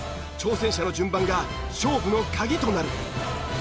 挑戦者の順番が勝負の鍵となる。